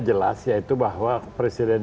jelas yaitu bahwa presiden